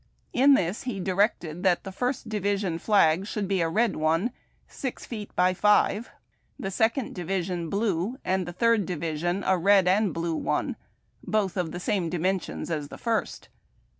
In this he directed that the First Division flag should be a red one, six feet by five ; the Second Division blue, and the Third Division a red and blue one ;— botli of the same dimensions as the first.